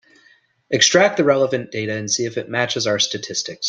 Extract the relevant data and see if it matches our statistics.